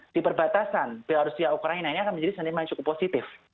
ketasan biar rusia dan ukraina ini akan menjadi seniman yang cukup positif